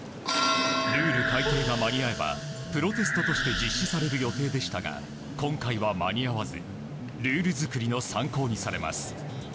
ルール改定が間に合えばプロテストとして実施される予定でしたが今回は間に合わずルール作りの参考にされます。